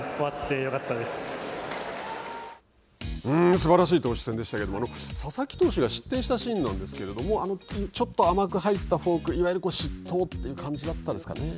すばらしい投手戦でしたけれども、佐々木投手が失点したシーンなんですけれども、ちょっと甘く入ったフォーク、いわゆる失投という感じだったですかね。